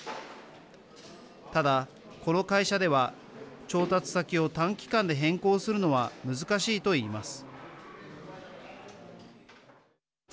ただ、この会社では調達先を短期間で変更するのは難しいと言います。